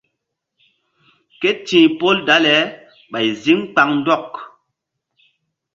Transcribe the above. Ké ti̧h pol dale ɓay ziŋ kpaŋndɔk.